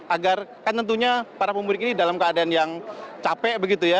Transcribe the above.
agar kan tentunya para pemudik ini dalam keadaan yang capek begitu ya